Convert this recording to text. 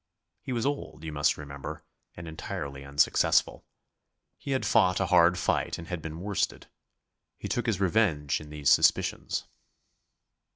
He was old, you must remember, and entirely unsuccessful. He had fought a hard fight and had been worsted. He took his revenge in these suspicions.